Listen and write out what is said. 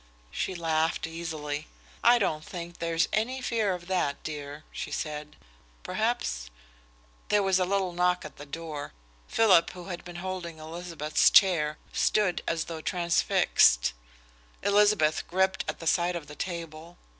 She laughed easily. "I don't think there's any fear of that, dear," she said. "Perhaps " There was a little knock at the door. Philip, who had been holding Elizabeth's chair, stood as though transfixed. Elizabeth gripped at the side of the table.